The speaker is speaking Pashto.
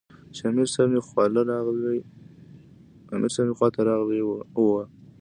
چې امير صېب مې خواله راغلے وۀ -